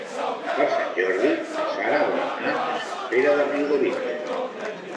Per Sant Jordi na Sara vol anar a Sant Pere de Riudebitlles.